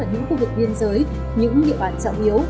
những khu vực biên giới những địa bàn trọng yếu